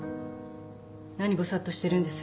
何ボサッとしてるんです。